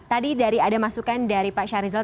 tadi dari ada masukan dari pak syarizal